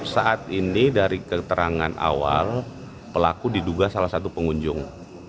saat ini dari keterangan awal pelaku diduga salah satu pengunjung